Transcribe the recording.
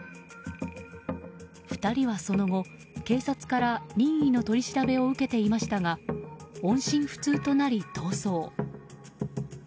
２人はその後、警察から任意の取り調べを受けていましたが音信不通となり逃走。